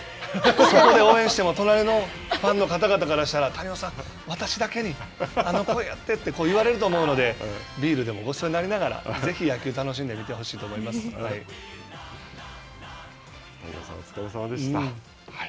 それで応援しても、隣のファンの方々からしたら、谷保さん、私だけにこの声やってって言われると思うのでビールでもごちそうになりながら、ぜひ野球を楽しんで見てほしいと谷保さん、お疲れさまでした。